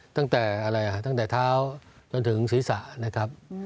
ตั้งแต่เท้าจนถึงศีรษะนะครับ